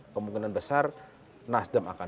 kemungkinan besar nasdem akan